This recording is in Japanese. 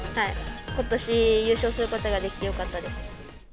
ことし優勝することができてよかったです。